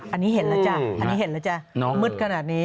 อันนี้เห็นแล้วจ้ะมืดขนาดนี้